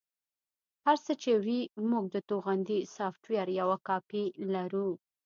هر څه چې وي موږ د توغندي سافټویر یوه کاپي لرو